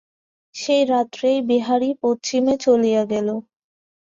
সেই রাত্রেই বিহারী পশ্চিমে চলিয়া গেল।